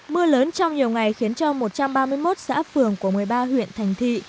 mưa lớn trong nhiều ngày khiến cho một trăm ba mươi một xã phường của một mươi ba huyện thành thị